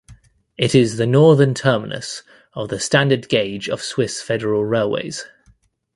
It is the northern terminus of the standard gauge of Swiss Federal Railways.